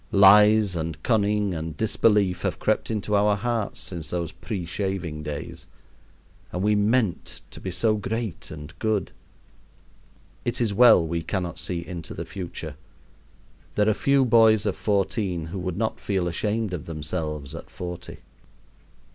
Lies and cunning and disbelief have crept into our hearts since those preshaving days and we meant to be so great and good. It is well we cannot see into the future. There are few boys of fourteen who would not feel ashamed of themselves at forty.